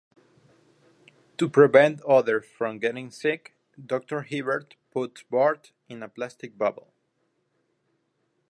To prevent others from getting sick, Doctor Hibbert puts Bart in a plastic bubble.